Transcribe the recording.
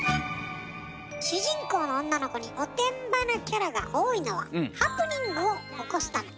主人公の女の子におてんばなキャラが多いのはハプニングを起こすため。